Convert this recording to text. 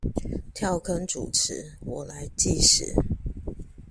跳坑主持，我來計時